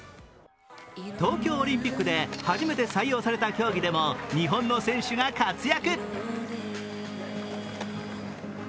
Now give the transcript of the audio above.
東京オリンピックで初めて採用された競技でも日本の選手が活躍。